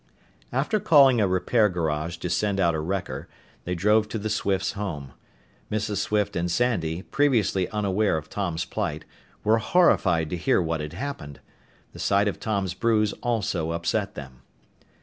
After calling a repair garage to send out a wrecker, they drove to the Swifts' home. Mrs. Swift and Sandy, previously unaware of Tom's plight, were horrified to hear what had happened. The sight of Tom's bruise also upset them.